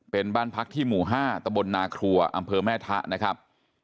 เป็นบ้านพักที่หมู่๕ตะบลนาครัวอำเภอแม่ทะนะครับ